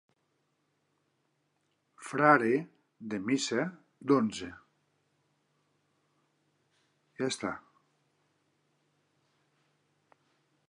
Frare de missa d'onze.